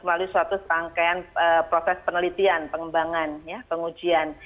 melalui suatu serangkaian proses penelitian pengembangan pengujian